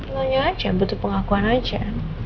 nyonya aja butuh pengakuan aja